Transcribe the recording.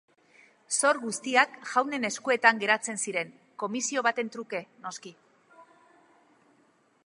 Zor guztiak jaunen eskuetan geratzen ziren, komisio baten truke, noski.